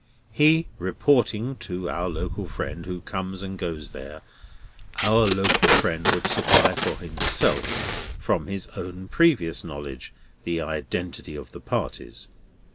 He reporting, to our local friend, who comes and goes there, our local friend would supply for himself, from his own previous knowledge, the identity of the parties.